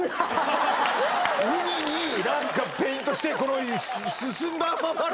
ウニになんかペイントしてこの進んだままの。